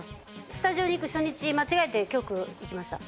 スタジオに行く初日間違えて局行きました